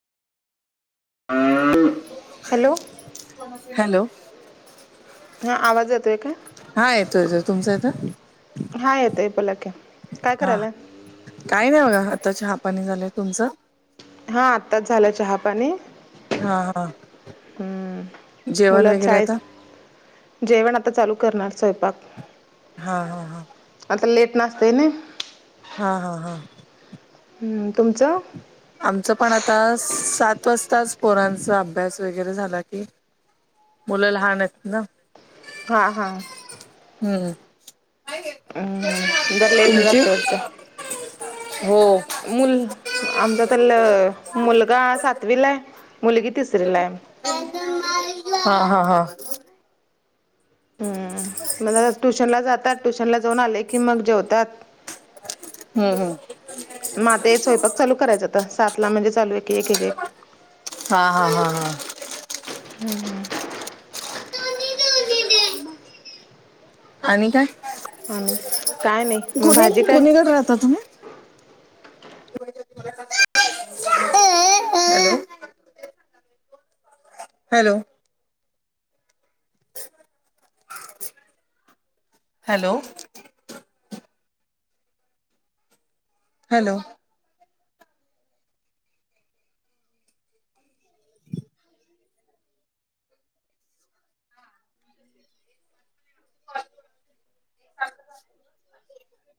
[inaudible] Hello. Hello. [inaudible] हा आवाज येतो आहे काय. हा येतो येतो तुमचा येतोय. हा येतय बोला की काय करायला. काय नाही बघा आताच्या चाहापाणी झालंय तुमचं? हा आत्ताच झालं चहापाणी. हा हा मुलं जेवण वगैरे शाळेस आता? जेवण आता चालू करणार स्वयंपाक हा हा हा आता लेट नसतं आहे ना? हा हा हा. हम्म तुमचं. आमचं पण आता सस सात वाजताच पोरांचा अभ्यास वगैरे झाला की मुलं लहान आहेत ना. हा हा. हम्म. हम्म जरा लेट न तुमची जास्त वाटत हो हा [inaudible] मुल आमचा तर मुलगा सातवीला आहे मुलगी तिसरीलाय [unintelligible] [inaudible] हा हा हा हम् म्हण [unintelligible] ट्युशन ला जातात. ट्युशन ला जाऊन आले की, मग जेवतात. हम्म हम्. मग आता स्वयंपाक चालू करायचं आता, सात ला म्हणजे चालू आहे क एक एक एक हा हा हा हा. हम्म. आणि काय? आणि काय नाही मग कोणी भाजी काय कोणीकडे राहता तुम्ही? [inaudible] ब [unintelligible] हॅलो? हॅलो? हॅलो?